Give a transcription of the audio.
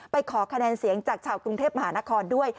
ขอคะแนนเสียงจากชาวกรุงเทพมหานครด้วย